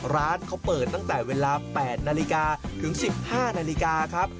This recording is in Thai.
ร้านเขาเปิดตั้งแต่เวลา๘นาฬิกาถึง๑๕นาฬิกาครับ